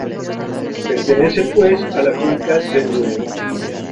Pertenece, pues, a la cuenca de Duero.